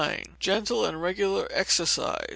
Gentle and regular exercise.